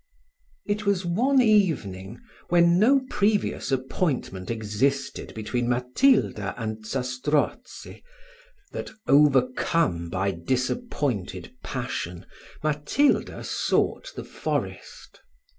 It was one evening, when no previous appointment existed between Matilda and Zastrozzi, that, overcome by disappointed passion, Matilda sought the forest.